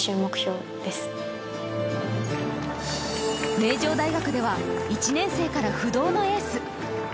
名城大学では１年生から不動のエース。